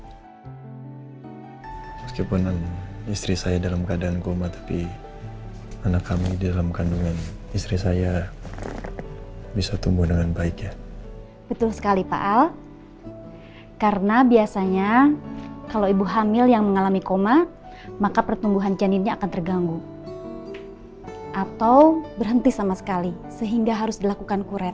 hai meskipun istri saya dalam keadaan koma tapi anak kami di dalam kandungan istri saya bisa tumbuh dengan baiknya betul sekali pak al karena biasanya kalau ibu hamil yang mengalami koma maka pertumbuhan janinnya akan terganggu atau berhenti sama sekali sehingga harus dilakukan kuret